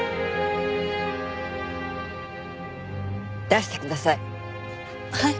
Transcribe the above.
出してください。